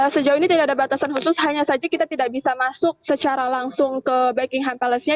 sejauh ini tidak ada batasan khusus hanya saja kita tidak bisa masuk secara langsung ke backingham palace nya